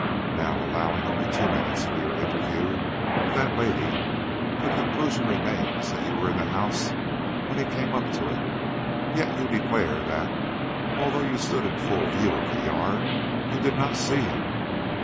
Now, allowing only two minutes for your interview with that lady, the conclusion remains that you were in the house when he came up to it. Yet you declare that, although you stood in full view of the yard, you did not see him."